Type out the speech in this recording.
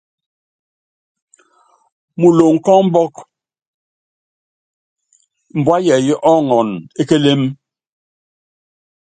Muloŋ kɔ ɔmbɔk, mbua yɛɛyɛ́ ɔɔŋɔn e kélém.